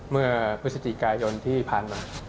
เมื่อพฤศจิกายนที่ผ่านมา